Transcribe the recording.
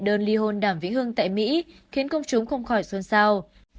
đệ đơn ly hôn đàm vĩnh hương tại mỹ khiến công chúng không khỏi xuân sao